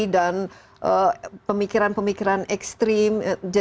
dan pemikiran pemikiran ekstrim